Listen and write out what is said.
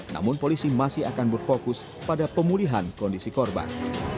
namun polisi masih akan berfokus pada pemulihan kondisi korban